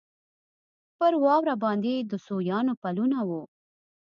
پر واوره باندې د سویانو پلونه وو.